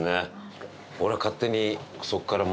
俺は勝手に。